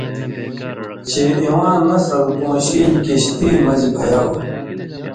چے اِواں نسل پون٘شیل کشتی مژ بَھیاؤ۔